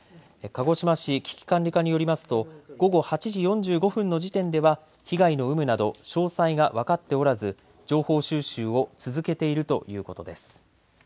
鹿児島市危機管理課によりますと午後８時４５分の時点では被害の有無など詳細が分かっておらず情報収集を続けているということです。